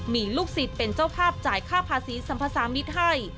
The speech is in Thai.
มีลูกศิษย์เป็นเจ้าภาพจ่ายค่าภาษีสัมภาษามิตรให้